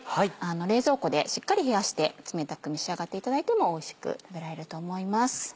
冷蔵庫でしっかり冷やして冷たく召し上がっていただいてもおいしく食べられると思います。